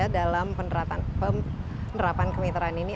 dalam penerapan kemitraan ini